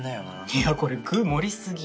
いやこれ具盛り過ぎ。